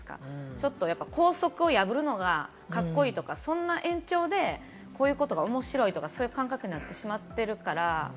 ちょっと、校則を破るのがカッコいいとか、そんな延長でこういうことが面白いとか、そういう感覚になってしまってるから。